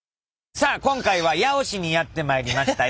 さあ今回は八尾市にやって参りましたよ。